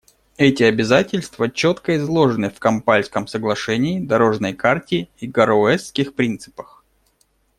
Эти обязательства четко изложены в Кампальском соглашении, «дорожной карте» и «Гароуэсских принципах».